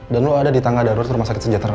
dan lo ada di tangga darurat rumah sakit sejahtera